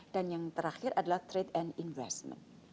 dan yang terakhir adalah trade and investment